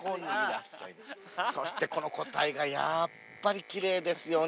そしてこの個体がやっぱりきれいですよね。